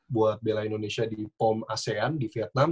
buat bela indonesia di pom asean di vietnam